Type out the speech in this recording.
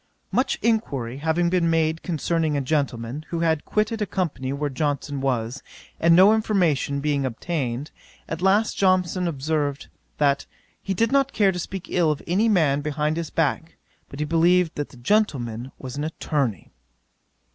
'Much enquiry having been made concerning a gentleman, who had quitted a company where Johnson was, and no information being obtained; at last Johnson observed, that "he did not care to speak ill of any man behind his back, but he believed the gentleman was an attorney."